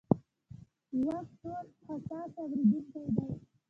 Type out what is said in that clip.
غوږ ټولو حساس اورېدونکی دی.